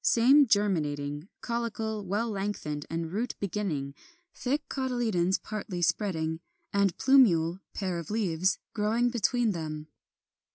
Same germinating: caulicle well lengthened and root beginning; thick cotyledons partly spreading; and plumule (pair of leaves) growing between them.